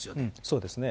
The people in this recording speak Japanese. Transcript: そうですね。